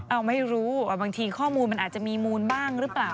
เอาไม่รู้ว่าบางทีข้อมูลมันอาจจะมีมูลบ้างหรือเปล่า